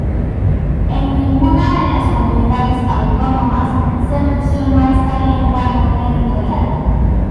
En ninguna de las comunidades autónomas se menciona esta lengua "no territorial".